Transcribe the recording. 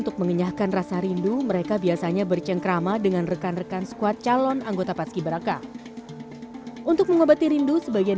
kayak misalnya panjang tangan